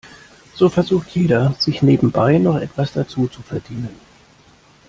So versucht jeder, sich nebenbei noch etwas dazuzuverdienen.